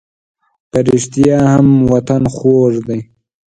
په رښتیا هم وطن خوږ دی.